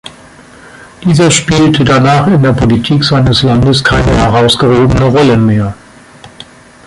Dieser spielte danach in der Politik seines Landes keine herausgehobene Rolle mehr.